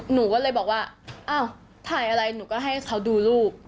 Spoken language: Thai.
หนูก็เลยบอกว่าอ้าวถ่ายอะไรหนูก็ให้เขาดูลูก